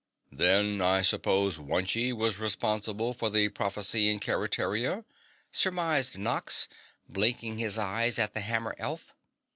"Then I suppose Wunchie was responsible for the prophecy in Keretaria?" surmised Nox, blinking his eyes at the hammer elf.